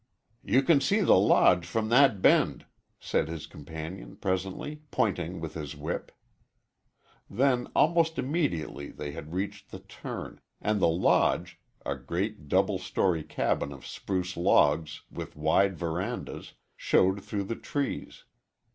"You can see the Lodge from that bend," said his companion, presently, pointing with his whip. Then almost immediately they had reached the turn, and the Lodge a great, double story cabin of spruce logs, with wide verandas showed through the trees.